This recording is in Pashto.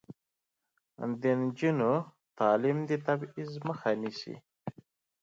د نجونو تعلیم د تبعیض مخه نیسي.